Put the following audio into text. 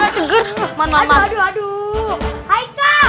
satu dua tiga